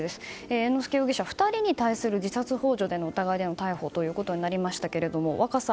猿之助容疑者は２人に対する自殺幇助の疑いでの逮捕ということになりましたが若狭